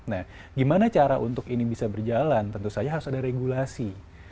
nah gimana cara untuk ini bisa berjalan tentu saja harus ada regulasi